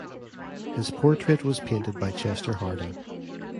His portrait was painted by Chester Harding.